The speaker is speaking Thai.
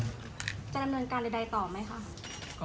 จะดำเนินการใดต่อไหมคะ